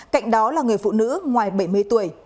cạnh đó là người phụ nữ ngoài bảy mươi tuổi